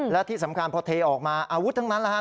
และที่สำคัญพอเทออกมาอาวุธทั้งนั้นแหละฮะ